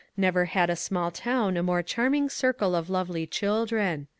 Never had a small town a more charming circle of lovely chil dren.